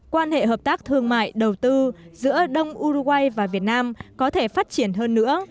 quan hệ hợp tác thương mại đầu tư giữa đông uruguay và việt nam có thể phát triển hơn nữa